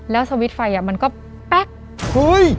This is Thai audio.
แล้วสวิตช์ไฟมันก็แป๊ก